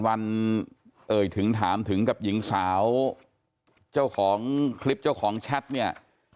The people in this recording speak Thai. วันเอ่ยถึงถามถึงกับหญิงสาวเจ้าของคลิปเจ้าของแชทเนี่ย